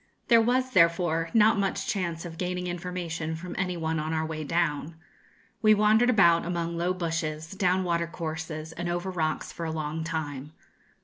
There was therefore not much chance of gaining information from any one on our way down. We wandered about among low bushes, down watercourses, and over rocks for a long time.